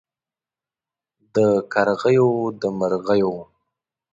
د کرغیو د مرغیو